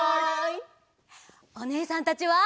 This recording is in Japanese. おねえさんたちは。